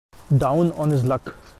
Down on his luck.